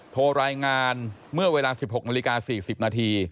โทรรายงานเมื่อเวลา๑๖น๔๐น